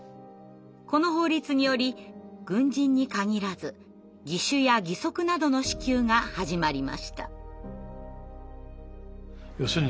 この法律により軍人に限らず義手や義足などの支給が始まりました。